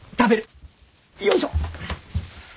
よいしょ。